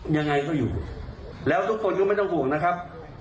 ยังไงก็อยู่แล้วทุกคนก็ไม่ต้องห่วงนะครับ